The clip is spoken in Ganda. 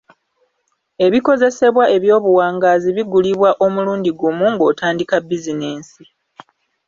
Ebikozesebwa eby’obuwangaazi bigulibwa omulundi gumu ng’otandika bizinensi.